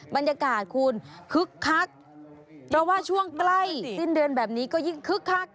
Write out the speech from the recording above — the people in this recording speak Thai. บรรยากาศคุณคึกคักเพราะว่าช่วงใกล้สิ้นเดือนแบบนี้ก็ยิ่งคึกคัก